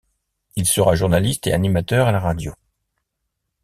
Il sera journaliste et animateur à la radio.